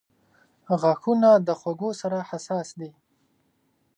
• غاښونه د خوږو سره حساس کیږي.